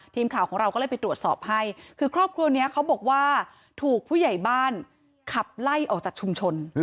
ทีมข่าวของเราก็เลยไปตรวจสอบให้คือครอบครัวนี้เขาบอกว่าถูกผู้ใหญ่บ้านขับไล่ออกจากชุมชน